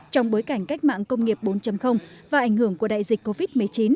trong bối cảnh cách mạng công nghiệp bốn và ảnh hưởng của đại dịch covid một mươi chín